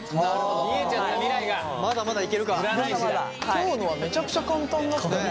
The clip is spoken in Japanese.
今日のはめちゃくちゃ簡単だったよね。